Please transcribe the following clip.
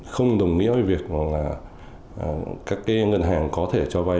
không đồng nghĩa với việc các ngân hàng có thể cho vay